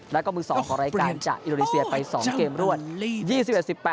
แล้วก็มือ๒ของรายการจากอินโดนีเซียไป๒เกมรวด